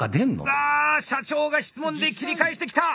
あ社長が質問で切り返してきた！